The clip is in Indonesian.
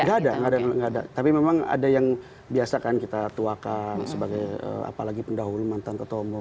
tidak ada tidak ada tapi memang ada yang biasa kan kita tuakan sebagai apalagi pendahulu mantan ketua umum